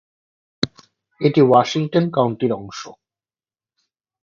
এটি ওয়াশিংটন কাউন্টির অংশ।